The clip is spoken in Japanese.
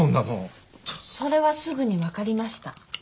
それはすぐに分かりました。